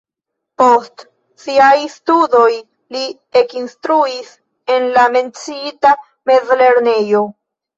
Post siaj studoj li ekinstruis en la menciita mezlernejo.